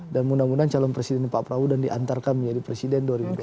dan mudah mudahan calon presiden pak prabowo dan diantarkan menjadi presiden dua ribu dua puluh empat